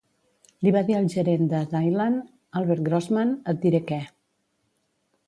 Li va dir al gerent de Dylan, Albert Grossman, et diré què.